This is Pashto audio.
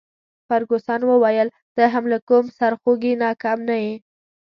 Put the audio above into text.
فرګوسن وویل: ته هم له کوم سرخوږي نه کم نه يې.